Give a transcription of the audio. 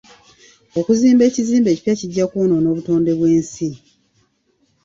Okuzimba ekizimbe ekipya kijja kwonoona obutonde bw'ensi.